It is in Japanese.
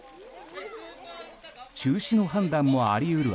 中止の判断もあり得る